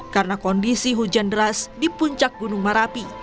karena kondisi hujan deras di puncak gunung marapi